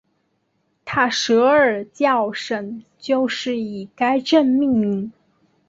卡舍尔教省就是以该镇命名。